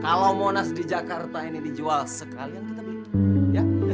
kalau monas di jakarta ini dijual sekalian kita beli